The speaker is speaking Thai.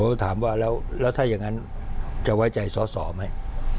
ก็ถามว่าแล้วถ้าอย่างนั้นจะไว้ใจสอสอไหม